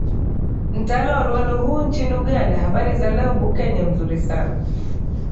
mtaa wa luwelo huu nchini uganda habari za leo bukenya mzuri sana